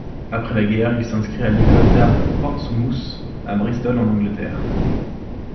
Après la guerre, il s'inscrit à l'École d'Art Portsmouth à Bristol en Angleterre.